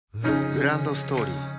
グランドストーリー